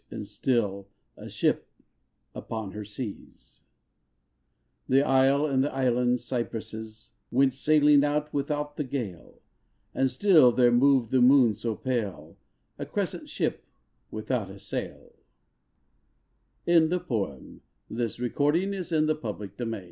And still, a ship upon her seas. The isle and the island cypresses Went sailing on without the gale : And still there moved the moon so pale, A crescent ship without a sail ' I7S Oak and Olive \ Though I was born a Londone